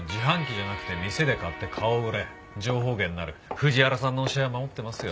藤原さんの教えは守ってますよ。